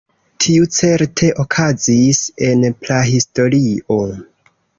Tio certe okazis en prahistorio.